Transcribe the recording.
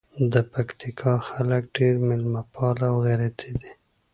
د پکتیکا خلګ ډېر میلمه پاله او غیرتي دي.